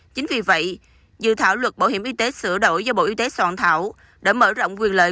chính vì vậy dự thảo luật bảo hiểm y tế sửa đổi do bộ y tế soạn thảo đã mở rộng quyền lợi